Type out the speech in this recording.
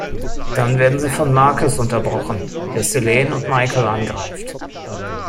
Dann werden sie von Marcus unterbrochen, der Selene und Michael angreift.